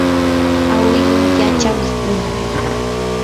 awilu yachaw runam.